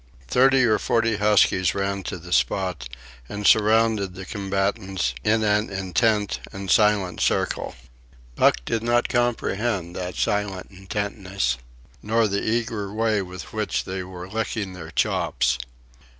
Thirty or forty huskies ran to the spot and surrounded the combatants in an intent and silent circle. Buck did not comprehend that silent intentness, nor the eager way with which they were licking their chops.